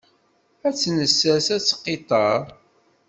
Ad tt-nessers ad teqqiṭṭer.